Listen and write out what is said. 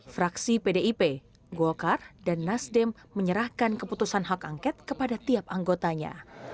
fraksi pdip golkar dan nasdem menyerahkan keputusan hak angket kepada tiap anggotanya